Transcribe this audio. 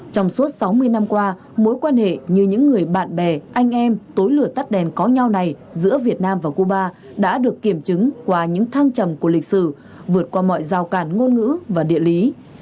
trong suốt sáu mươi năm qua mối quan hệ như những người bạn bè anh em tối lửa tắt đèn có nhau này giữa việt nam và cuba đã được kiểm chứng qua những thăng trầm của lịch sử vượt qua mọi giao cản ngôn ngữ và địa lý